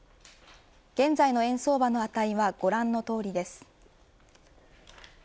現在の円相場の値はご覧のとおりです。